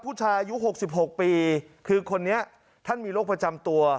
ผู้ชายอายุ๖๖ปีคือคนนี้ท่านมีโรคประจำตัว